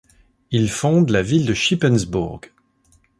Il fonde la ville de Shippensburg.